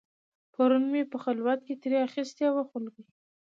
پرون مې په خلوت کې ترې اخیستې وه خولګۍ